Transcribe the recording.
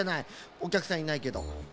おきゃくさんいないけど。